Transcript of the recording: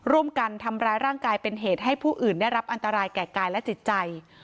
ร่วมกันทำร้ายร่างกายเป็นเหตุให้ผู้อื่นได้รับอันตรายแก่กายและจิตใจ